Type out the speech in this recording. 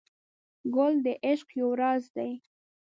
ګل د عشق یو راز دی.